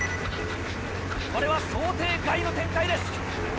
これは想定外の展開です。